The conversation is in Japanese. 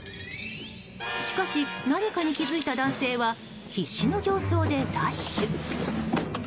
しかし、何かに気づいた男性は必死の形相でダッシュ！